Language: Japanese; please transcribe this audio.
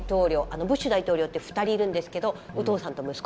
ブッシュ大統領って２人いるんですけどお父さんと息子が。